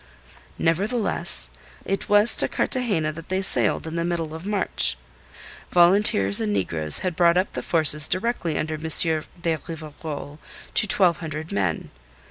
Nevertheless, it was to Cartagena that they sailed in the middle of March. Volunteers and negroes had brought up the forces directly under M. de Rivarol to twelve hundred men.